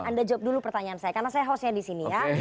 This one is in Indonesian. anda jawab dulu pertanyaan saya karena saya hostnya di sini ya